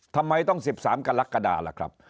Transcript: ทำไมต้อง๑๓กรกฎาล่ะครับ